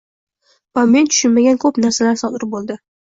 va men tushunmagan koʻp narsalar sodir boʻldi.